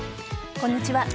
こんにちは。